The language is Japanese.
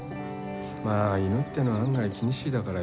まあ、犬ってのは案外、気にしいだからよ。